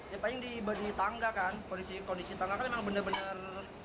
ya paling di tangga kan kondisi tangga kan memang benar benar